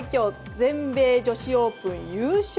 全米女子オープン優勝。